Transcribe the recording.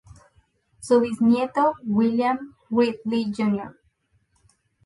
Su bisnieto William Wrigley, Jr.